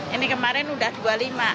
ini kemarin sudah dua lima